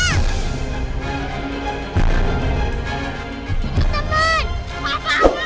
tolong teman putri